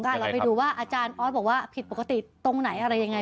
เราไปดูว่าอาจารย์ออสบอกว่าผิดปกติตรงไหนอะไรยังไง